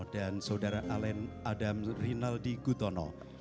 dan saudara alen adam rinaldi gudono